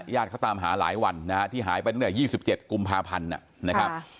ญาติเขาตามหาหลายวันนะฮะที่หายไปตั้งแต่๒๗กุมภาพันธ์นะครับ